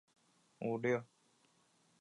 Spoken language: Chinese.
与之相对的概念是物知觉。